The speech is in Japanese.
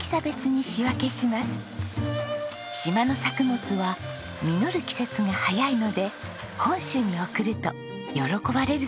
島の作物は実る季節が早いので本州に送ると喜ばれるそうです。